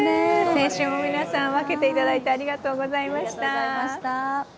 青春を分けていただいてありがとうございました。